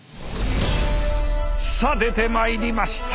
さあ出てまいりました。